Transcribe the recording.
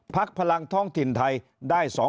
พลังท้องถิ่นไทยได้